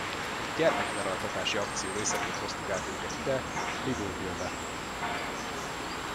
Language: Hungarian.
Egy gyermeknyaraltatási akció részeként hoztuk át őket ide, Libreville-be.